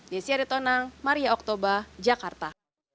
desy aritonang maria oktober jakarta